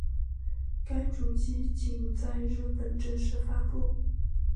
该主机仅在日本正式发布。